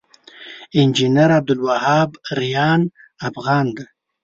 انجنير عبدالوهاب ريان افغان دی